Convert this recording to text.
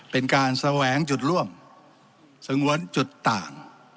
เป็นการแสวงจุดร่วมสงวนจุดต่าง